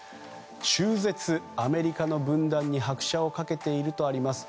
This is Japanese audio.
中絶、アメリカの分断に拍車を掛けているとあります。